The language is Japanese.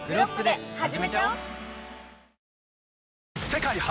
世界初！